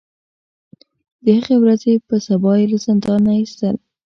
د هغې ورځې په سبا یې له زندان نه ایستل.